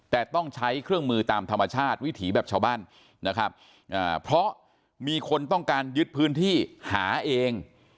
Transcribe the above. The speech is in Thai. แต่ต้องใช้เครื่องมือตามธรรมชาติวิถีแบบชาวบ้านนะครับเพราะมีคนต้องการยึดพื้นที่หาเอง